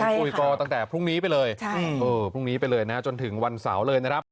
ใช่ค่ะคุยก่อตั้งแต่พรุ่งนี้ไปเลยจนถึงวันเสาร์เลยนะครับ